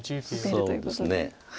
そうですね。